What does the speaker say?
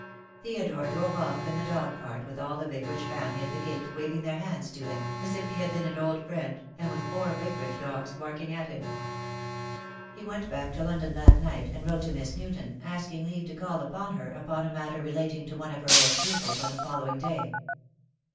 Theodore drove off in the dog cart with all the Vicarage family at the gate waving their hands to him, as if he had been an old friend, and with four Vicarage dogs barking at him. He went back to London that night, and wrote to Miss Newton, asking leave to call upon her upon a matter relating to one of her old pupils on the following day.